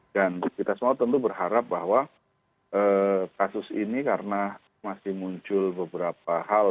dan kita semua tentu berharap bahwa kasus ini karena masih muncul beberapa hal